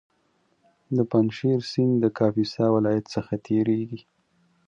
د پنجشېر سیند د کاپیسا ولایت څخه تېرېږي